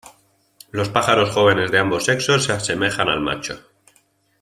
Los pájaros jóvenes de ambos sexos se asemejan al macho.